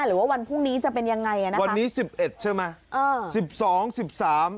หรือว่าวันพรุ่งนี้จะเป็นยังไงวันนี้๑๑ใช่ไหม